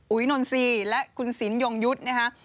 อุ๊ยนนซีและคุณสินยงยุทธ์นะคะ